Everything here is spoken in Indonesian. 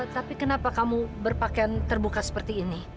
tapi kenapa kamu berpakaian terbuka seperti ini